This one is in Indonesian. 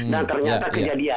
dan ternyata kejadian